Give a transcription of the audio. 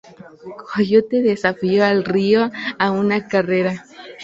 Coyote desafía al "Río" a una carrera.